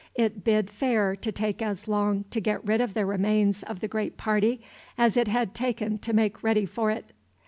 It bid fair to take as long to get rid of the remains of the great party as it had taken to make ready for it.